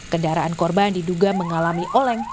kendaraan korban diduga mengalami oleng